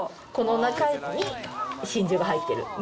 この中に真珠が入ってる。